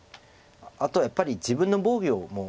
あとはやっぱり自分の防御も。